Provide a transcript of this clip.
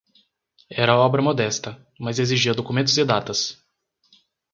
era obra modesta, mas exigia documentos e datas